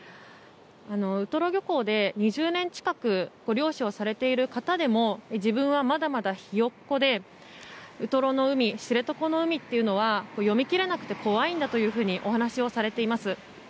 ウトロ漁港で２０年近く漁師をされている方でも自分はまだまだひよっこでウトロの海、知床の海というのは読み切れなくて怖いんだというふうにお話をされています。